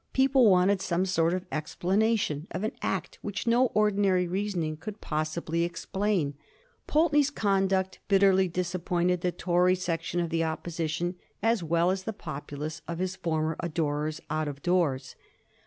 People wanted some sort of ex planation of an act which no ordinary reasoning could possibly explain. Pulteney's conduct bitterly disappoint ed the Tory section of the Opposition as well as the pop ulace of his former adorers out of doors.